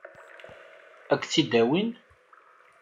Ad k-tt-id-awin?